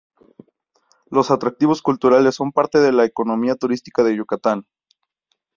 Los atractivos culturales son parte de la economía turística de Yucatán.